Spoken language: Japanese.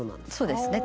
そうですね